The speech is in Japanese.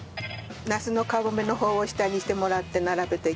なすの皮目の方を下にしてもらって並べて。